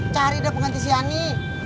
cari deh penghenti si ani